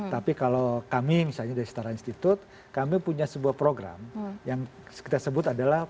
tapi kalau kami misalnya dari setara institut kami punya sebuah program yang kita sebut adalah